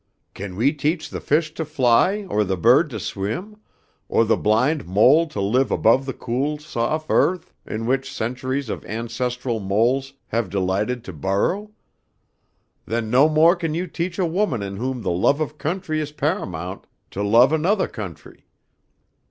Can we teach the fish to fly or the bird to swim, or the blind mole to live above the cool sof' earth in which centuries of ancestral moles have delighted to burrow? Then no mo' can you teach a woman in whom the love of country is pa'amount to love anothah country.